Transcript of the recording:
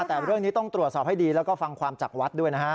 แต่เรื่องนี้ต้องตรวจสอบให้ดีแล้วก็ฟังความจากวัดด้วยนะฮะ